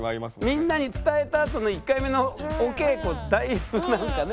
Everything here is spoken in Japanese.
みんなに伝えたあとの１回目のお稽古だいぶなんかね